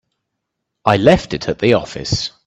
I left it at the office.